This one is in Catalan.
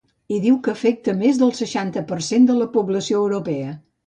I diu que afecta més del seixanta per cent de la població europea.